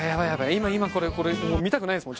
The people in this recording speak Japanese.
今これ見たくないですもん